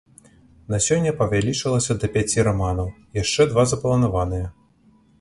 На сёння павялічылася да пяці раманаў, яшчэ два запланаваныя.